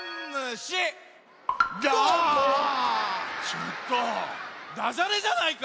ちょっとダジャレじゃないか！